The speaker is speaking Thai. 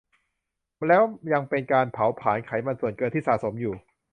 แล้วยังเป็นการเผาผลาญไขมันส่วนเกินที่สะสมอยู่